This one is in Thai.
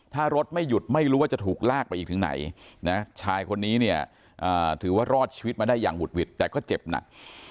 ถ้ารถไม่หยุดไม่รู้ว่าจะถูกลากไปอีกถึงไหนนะชายคนนี้เนี่ยถือว่ารอดชีวิตมาได้อย่างหุดหวิดแต่ก็เจ็บหนัก